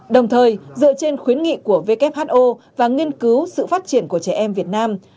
đồng thời dựa trên khuyến nghị của who và nghiên cứu sự phát triển của trẻ em việt nam